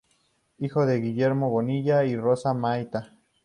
Hijo de Guillermo Bonilla y Rosa Mayta.